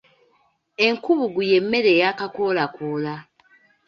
Enkubuggu y’emmere eyaakakoolakoola.